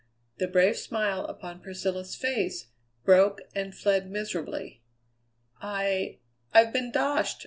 The brave smile upon Priscilla's face broke and fled miserably. "I I've been doshed!"